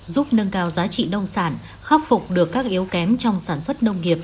giúp nâng cao giá trị nông sản khắc phục được các yếu kém trong sản xuất nông nghiệp